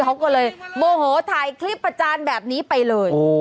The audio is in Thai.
เขาก็เลยโมโหถ่ายคลิปประจานแบบนี้ไปเลย